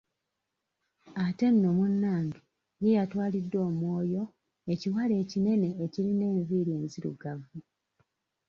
Ate nno munnange ye yatwaliddwa omwoyo ekiwala ekinene ekirina enviiri enzirugavu.